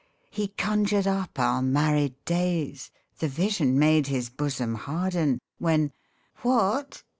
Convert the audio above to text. He conjured up our married days, The vision made his bosom harden, When "What